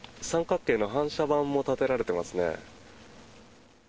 三角形の反射板も立てられていますね。